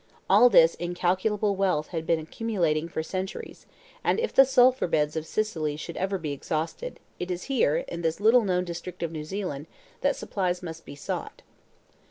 All this incalculable wealth had been accumulating for centuries, and if the sulphur beds of Sicily should ever be exhausted, it is here, in this little known district of New Zealand, that supplies must be sought.